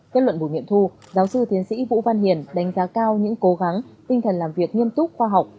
kết luận buổi nghiệm thu giáo sư tiến sĩ vũ văn hiền đánh giá cao những cố gắng tinh thần làm việc nghiêm túc khoa học